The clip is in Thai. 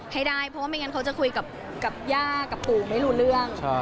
ให้ได้เพราะว่าไม่งั้นเขาจะคุยกับย่ากับปู่ไม่รู้เรื่อง